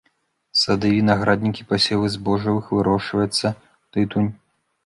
Сады, вінаграднікі, пасевы збожжавых, вырошчваецца тытунь.